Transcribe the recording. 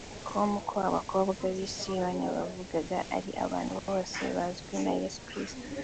com ko abakobwa b’i Siyoni yavugaga ari abantu bose bazwi na Yesu Kristo